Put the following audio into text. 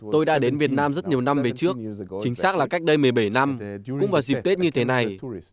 tôi đã đến việt nam rất nhiều năm về trước chính xác là cách đây một mươi bảy năm cũng vào dịp tết như thế này